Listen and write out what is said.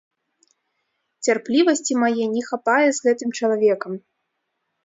Цярплівасці мае не хапае з гэтым чалавекам.